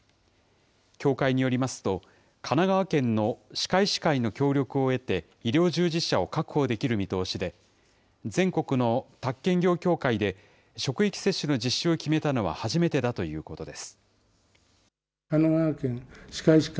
協会によりますと、神奈川県の歯科医師会の協力を得て医療従事者を確保する見通しで、全国の宅建業協会で職域接種の実施を決めたのは初めてだということです。